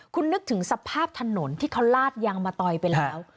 คุณนึกถึงสภาพถนนที่เขาลาดยางมะตอยไปแล้ว